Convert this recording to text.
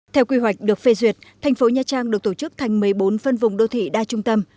theo quy hoạch được phê duyệt thành phố nha trang được tổ chức thành một mươi bốn phân vùng đô thị đa trung tâm